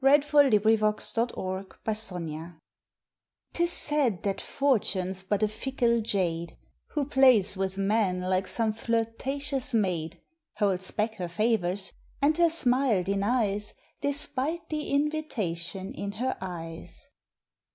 August Twelfth FORTUNE <r pIS said that Fortune s but a fickle jade Who plays with man like some flirta tious maid, Holds back her favors, and her smile denies Despite the invitation in her eyes.